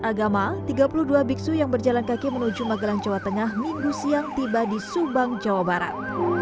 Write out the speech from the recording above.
agama tiga puluh dua biksu yang berjalan kaki menuju magelang jawa tengah minggu siang tiba di subang jawa barat